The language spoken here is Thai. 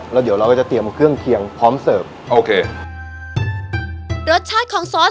แล้วเดี๋ยวเราก็จะเตรียมเครื่องเคียงพร้อมเสิร์ฟโอเครสชาติของซอส